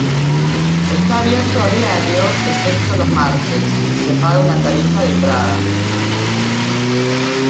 Está abierto a diario excepto los martes, se paga una tarifa de entrada.